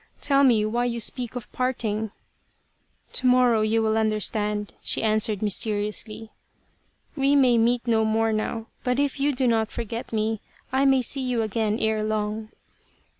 Tell me why you speak of parting ?"" To morrow you will understand," she answered mysteriously. " We may meet no more now, but if you do not forget me I may see you again ere long."